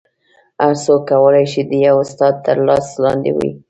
هر څوک کولی شي د یو استاد تر لاس لاندې وي